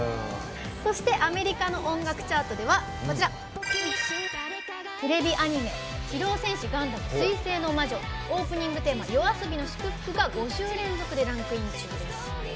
そして、アメリカの音楽チャートではテレビアニメ「機動戦士ガンダム水星の魔女」オープニングテーマＹＯＡＳＯＢＩの「祝福」が５週連続でランクイン中です。